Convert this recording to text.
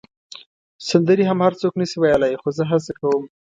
سندرې هم هر څوک نه شي ویلای، خو زه هڅه کوم.